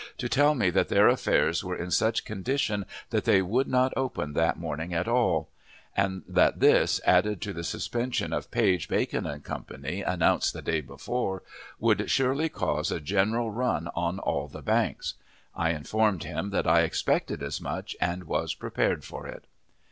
to tell me that their affairs were in such condition that they would not open that morning at all; and that this, added to the suspension of Page, Bacon & Co., announced the day before, would surely cause a general run on all the banks. I informed him that I expected as much, and was prepared for it.